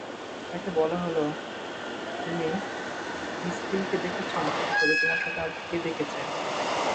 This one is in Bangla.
তাকে বলা হল, তুমি ইযকীলকে দেখেছ, তবে তোমার সাথে আর কে দেখেছে?